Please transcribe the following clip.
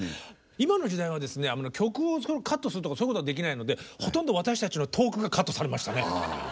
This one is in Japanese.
今の時代はですね曲をカットするとかそういうことはできないのでほとんど私たちのトークがカットされましたね。